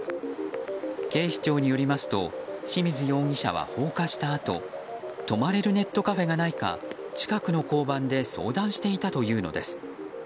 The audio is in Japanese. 警視庁によりますと清水容疑者は放火したあと泊まれるネットカフェがないか近くの交番で相談していたというのです。